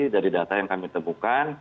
dari data yang kami temukan